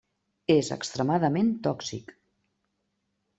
És extremadament tòxic.